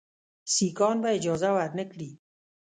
سیکهان به اجازه ورنه کړي.